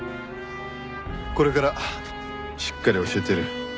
これからしっかり教えてやるよ。